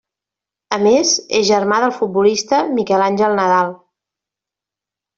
A més, és germà del futbolista Miquel Àngel Nadal.